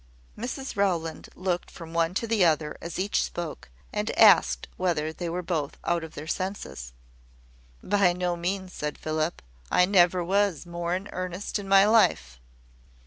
Mrs Rowland looked from one to the other as each spoke, and asked whether they were both out of their senses. "By no means," said Philip; "I never was more in earnest in my life."